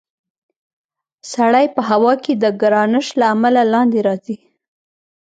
سړی په هوا کې د ګرانش له امله لاندې راځي.